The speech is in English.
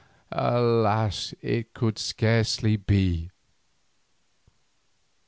Alas! it could scarcely be!